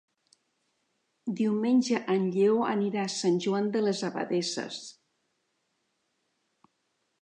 Diumenge en Lleó anirà a Sant Joan de les Abadesses.